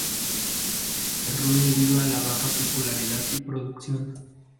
Cerró debido a la baja popularidad y producción.